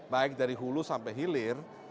baik dari hulu sampai hilir